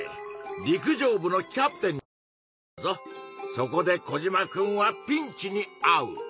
そこでコジマくんはピンチにあう！